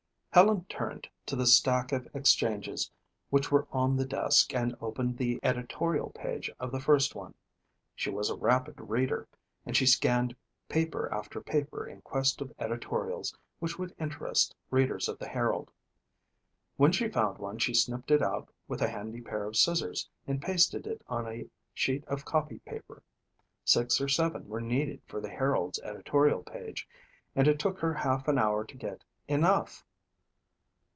Helen turned to the stack of exchanges which were on the desk and opened the editorial page of the first one. She was a rapid reader and she scanned paper after paper in quest of editorials which would interest readers of the Herald. When she found one she snipped it out with a handy pair of scissors and pasted it on a sheet of copy paper. Six or seven were needed for the Herald's editorial page and it took her half an hour to get enough.